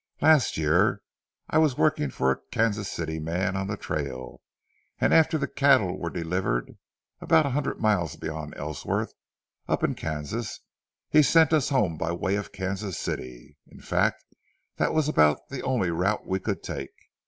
Last year I was working for a Kansas City man on the trail, and after the cattle were delivered about a hundred miles beyond,—Ellsworth, up in Kansas,—he sent us home by way of Kansas City. In fact, that was about the only route we could take.